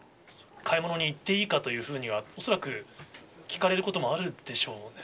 買い物に行っていいかということは、恐らく聞かれることもあるでしょうね。